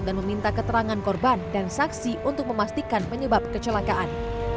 dan meminta keterangan korban dan saksi untuk memastikan penyebab kecelakaan